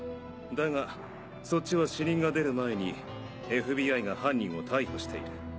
だがそっちは死人が出る前にＦＢＩが犯人を逮捕している。